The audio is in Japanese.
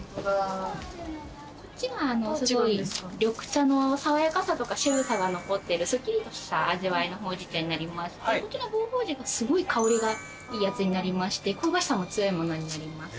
こっちが緑茶の爽やかさとか渋さが残ってるすっきりとした味わいのほうじ茶になりましてこっちの棒ほうじがすごい香りがいいやつになりまして香ばしさも強いものになりますね。